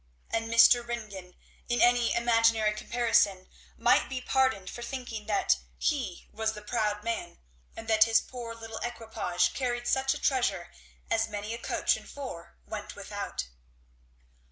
And Mr. Ringgan, in any imaginary comparison, might be pardoned for thinking that he was the proud man, and that his poor little equipage carried such a treasure as many a coach and four went without.